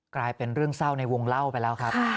กลายเป็นเรื่องเศร้าในวงเล่าไปแล้วครับ